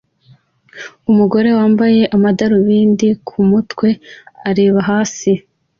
Umugore wambaye amadarubindi ku mutwe areba hasi